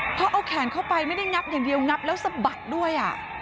พอเอาแขนเข้าไปไม่ได้งับอย่างเดียวงับแล้วสะบัดด้วย